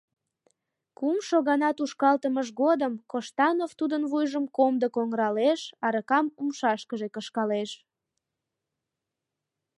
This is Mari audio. Кумшо гана тушкалтымыж годым Коштанов тудын вуйжым комдык оҥыралеш, аракам умшашкыже кышкалеш.